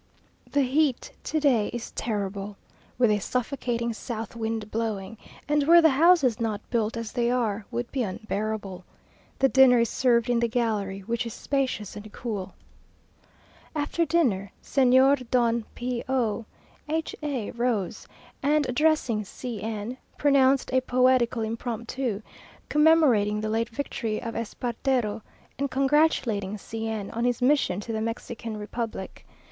The heat to day is terrible; with a suffocating south wind blowing, and were the houses not built as they are, would be unbearable. The dinner is served in the gallery, which is spacious and cool. After dinner, Señor Don P o H a rose, and, addressing C n, pronounced a poetical impromptu, commemorating the late victory of Espartero, and congratulating C n on his mission to the Mexican republic.